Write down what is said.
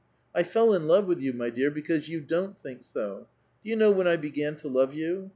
I fell in love with 3'ou, my dear, because you don't think so. Do you know when I began to love you?